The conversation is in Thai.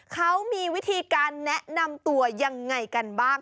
เขามีวิธีการแนะนำตัวยังไงกันบ้าง